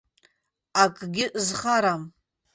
Акгьы зхарам.